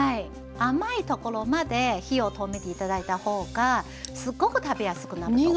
甘いところまで火を止めて頂いた方がすごく食べやすくなると思います。